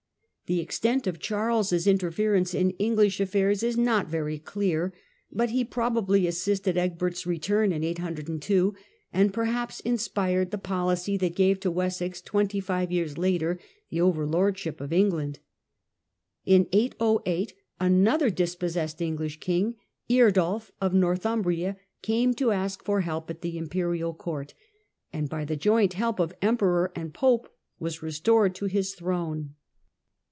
The extent of mgn Charles' interference in English affairs is not very clear, but he probably assisted Egbert's return in 802, and perhaps inspired the policy that gave to Wessex twenty five years later the overlordship of England. In 808 another dispossessed English king, Eardulf of North urnbria, came to ask for help at the Imperial Court, and by the joint help of Emperor and Pope was restored to his throne.